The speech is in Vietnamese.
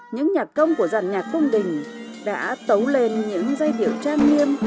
những nhạc công của dàn nhạc cung đình đã tấu lên những giai điệu trang nghiêm